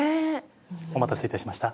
お待たせいたしました。